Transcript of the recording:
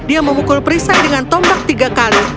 dia memukul perisai dengan tombak tiga kali